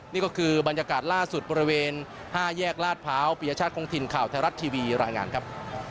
นี่ก็คือบรรยากาศล่าสุดบริเวณ๕แยกลาดพร้าวปียชาติคงถิ่นข่าวไทยรัฐทีวีรายงานครับ